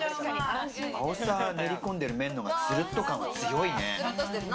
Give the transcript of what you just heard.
あおさ練り込んでる麺、つるっと感が強いね。